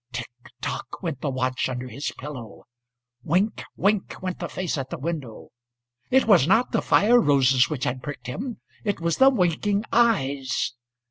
Tick â tock â went the watch under his pillow, Wink â wink â went the face at the window.It was not the fire roses which had pricked him, It was the winking eyes.